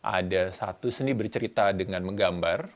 ada satu seni bercerita dengan menggambar